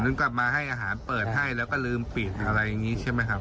กลับมาให้อาหารเปิดให้แล้วก็ลืมปิดอะไรอย่างนี้ใช่ไหมครับ